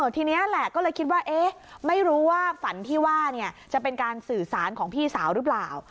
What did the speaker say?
ทีนี้แหละก็เลยคิดว่าไม่รู้ว่าฝันที่ว่าจะเป็นการสื่อสารของพี่สาวหรือเปล่า